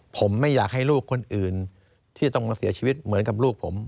ผมไม่อยากให้ลูกคนอื่นที่ต้องมาเสียชีวิตเหมือนกับลูกผม